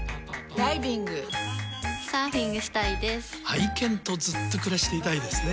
愛犬とずっと暮らしていたいですね。